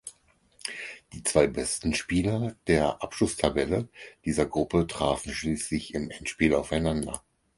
Die zwei besten Spieler der Abschlusstabelle dieser Gruppe trafen schließlich im Endspiel aufeinander.